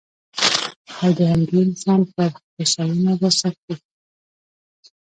او د همدې انسان پر هوساینه راڅرخي.